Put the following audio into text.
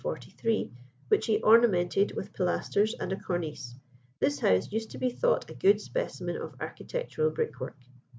43, which he ornamented with pilasters and a cornice. This house used to be thought a good specimen of architectural brickwork.